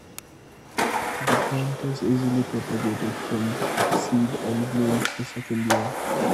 The plant is easily propagated from seed and blooms the second year.